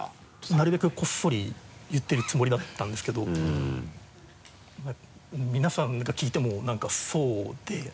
なるべくこっそり言ってるつもりだったんですけど皆さんが聞いてもなんかそうで。